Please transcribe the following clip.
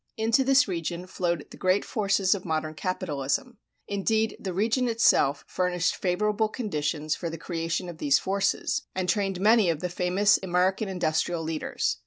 Into this region flowed the great forces of modern capitalism. Indeed, the region itself furnished favorable conditions for the creation of these forces, and trained many of the famous American industrial leaders.